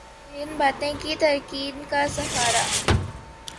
ڈیںبتیں کیں تنکیں کا سہارا